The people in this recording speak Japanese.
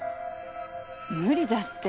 無理だって。